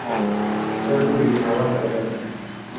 分布于台湾岛等。